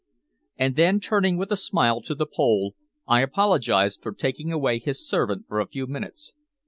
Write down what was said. And then turning with a smile to the Pole, I apologized for taking away his servant for a few minutes.